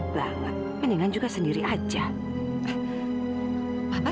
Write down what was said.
pak masih terus ingin membelai